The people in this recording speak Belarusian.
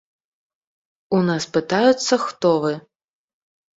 У нас пытаюцца, хто вы.